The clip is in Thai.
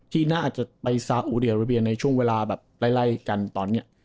ที่น่าจะไปซาอุดีอาราเบียในช่วงเวลาแบบไล่กันตอนนี้